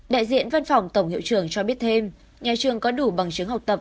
đại diện văn phòng tổng hiệu trưởng cho biết thêm nhà trường có đủ bằng chứng học tập